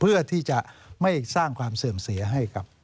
เพื่อที่จะไม่สร้างความเสื่อมเสียให้กับ